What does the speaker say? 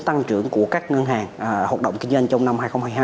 tăng trưởng của các ngân hàng hoạt động kinh doanh trong năm hai nghìn hai mươi hai